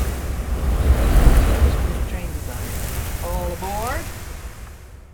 An exhibit of his train designs, All Aboard!